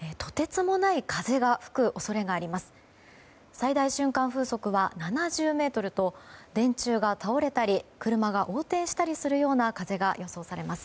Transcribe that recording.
最大瞬間風速は７０メートルと電柱が倒れたり車が横転したりするような風が予想されます。